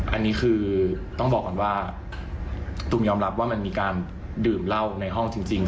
อันนี้คือต้องบอกก่อนว่าตุ้มยอมรับว่ามันมีการดื่มเหล้าในห้องจริง